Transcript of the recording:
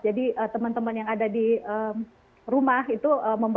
jadi teman teman yang ada di rumah itu